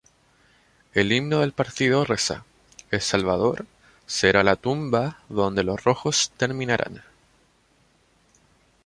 El himno del partido reza ""El Salvador será la tumba donde los rojos terminarán"".